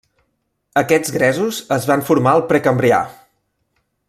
Aquests gresos es van formar al Precambrià.